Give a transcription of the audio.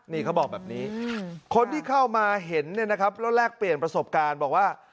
นี่เขาบอกแบบนี้คนที่เข้ามาเห็นเนี่ยนะครับแล้วแลกเปลี่ยนประสบการณ์บอกว่า